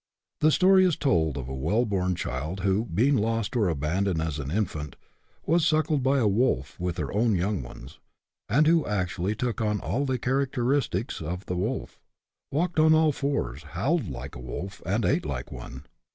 The story is told of a well born child who, being lost or abandoned as an infant, was suckled by a wolf with her own young ones, and who actually took on all the characteris tics of the wolf, walked on all fours, howled like a wolf, and ate like one.